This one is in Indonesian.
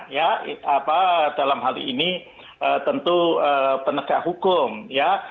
ya apa dalam hal ini tentu penegak hukum ya